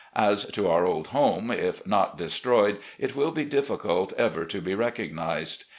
.., As to our old home, if not destroyed, it will be difficult ever to be recognised.